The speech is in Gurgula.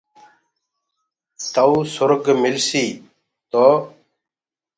تئوٚ سُرگ ملسيٚ، تو